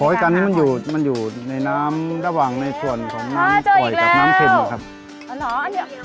ตอนนี้มันอยู่มันอยู่ในน้ำระหว่างในส่วนของน้ำปล่อยกับน้ำเข็มนะครับ